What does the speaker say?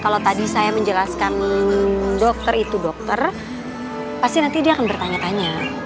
kalau tadi saya menjelaskan dokter itu dokter pasti nanti dia akan bertanya tanya